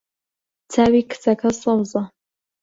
چاوی کچەکە سەوزە.